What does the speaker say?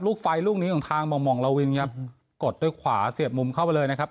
ไฟลูกนี้ของทางห่องมองละวินครับกดด้วยขวาเสียบมุมเข้าไปเลยนะครับ